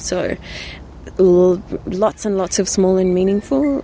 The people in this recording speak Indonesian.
jadi banyak banyak keinginan kecil